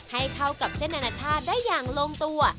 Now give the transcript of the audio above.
ให้เข้ากับเส้นอนาชาติได้อย่างลงตัว